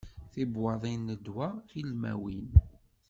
Tibuwaḍin n ddwa tilmawin.